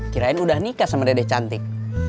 kirain udah nikah sama dede cantik